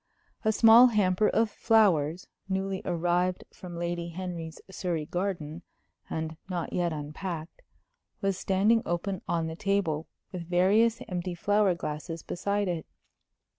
A small hamper of flowers, newly arrived from Lady Henry's Surrey garden, and not yet unpacked, was standing open on the table, with various empty flower glasses beside it.